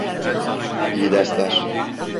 İyi dersler.